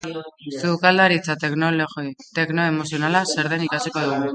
Sukaldaritza teknoemozionala zer den ikasiko dugu.